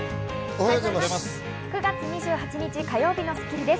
おはようございます。